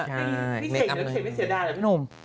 พี่เศกยังไม่เสียดายเหรอพี่หนุ่ม